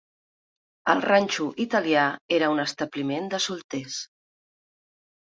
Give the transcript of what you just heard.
El ranxo italià era un establiment de solters.